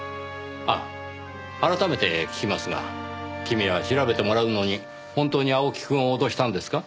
ああ改めて聞きますが君は調べてもらうのに本当に青木くんを脅したんですか？